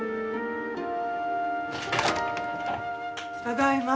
ただいま。